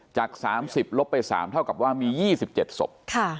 จาก๓๐ลบไป๓เท่ากับว่ามี๒๗ศพ